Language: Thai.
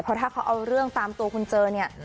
เพราะถ้าเขาเอาเรื่องตามตัวคุณเจอเนี่ย